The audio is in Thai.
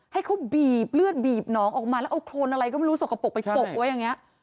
ให้เขาบีบเลือดบีบหนองออกมาแล้วเอาโครนอะไรก็ไม่รู้สกปรกไปปกไว้อย่างนี้